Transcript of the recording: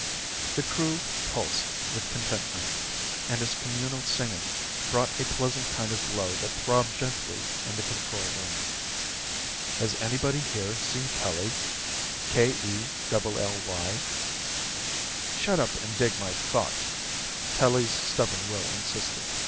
_ By Kenneth O'Hara Illustrated by Paul Orban The Crew pulsed with contentment, and its communal singing brought a pleasant kind of glow that throbbed gently in the control room. "'Has anybody here seen Kelly ... K E double L Y?'" "Shut up and dig my thought!" Kelly's stubborn will insisted.